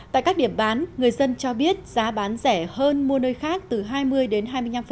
tại các điểm bán người dân cho biết giá bán rẻ hơn mua nơi khác từ hai mươi đến hai mươi năm